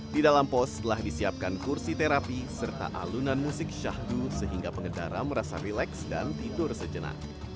di dalam pos telah disiapkan kursi terapi serta alunan musik syahdu sehingga pengendara merasa rileks dan tidur sejenak